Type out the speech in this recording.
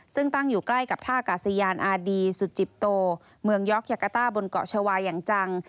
ซึ่งตั้งอยู่ใกล้กับท่ากาศยานอาดีสุจิปโตเมืองยอกยากาต้าบนเกาะชาวาอย่างจัง